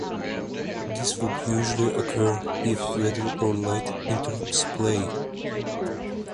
This would usually occur if weather or light interrupts play.